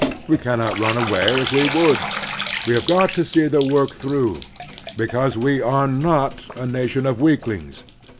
We cannot run away if we would. We have got to see the work through, because we are not a nation of weaklings.